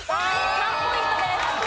３ポイントです。